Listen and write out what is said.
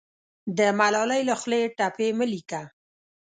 د ملالۍ له خولې ټپې مه لیکه